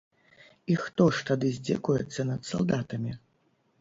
І хто ж тады здзекуецца над салдатамі?